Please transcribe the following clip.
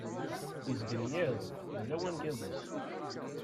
Izeggen yiḍ, d lawan n yiḍes.